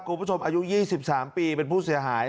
คุณผู้ชมอายุ๒๓ปีเป็นผู้เสียหาย